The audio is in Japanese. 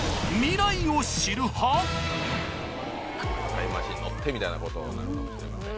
タイムマシンに乗ってみたいなことなのかもしれません。